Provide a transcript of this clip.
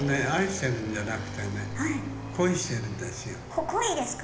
こ恋ですか？